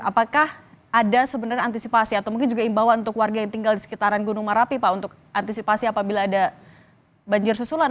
apakah ada sebenarnya antisipasi atau mungkin juga imbauan untuk warga yang tinggal di sekitaran gunung merapi pak untuk antisipasi apabila ada banjir susulan